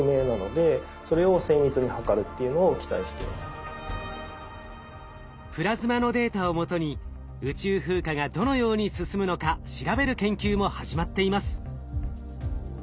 それがプラズマのデータを基に宇宙風化がどのように進むのか調べる研究も始まっています。